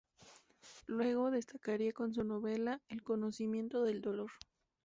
Luego, destacaría con su novela "El conocimiento del dolor".